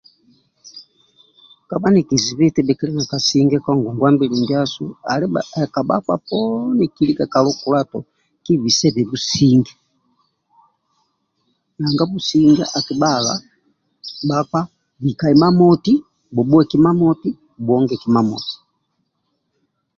Kabha nikizibi eti bhikili na kasinge ka ngongwa mbili ndiasu ali eka bhakpa poni kibisebe businge nanga businge kibha bhakpa lika imamoti bhubhue kima moti bhuonge kima moti